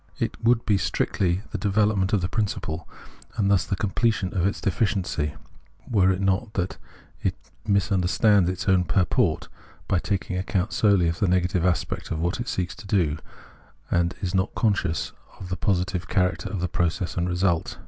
It would be strictly the development of the principle, and thus the completion of its deficiency, were it not that it misunderstands its own purport by taking account solely of the negative aspect of what it seeks to do, and is not conscious of the positive char acter of its process and result.